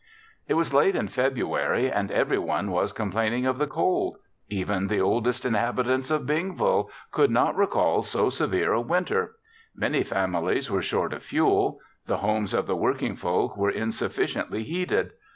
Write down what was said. It was late in February and every one was complaining of the cold. Even the oldest inhabitants of Bingville could not recall so severe a winter. Many families were short of fuel. The homes of the working folk were insufficiently heated.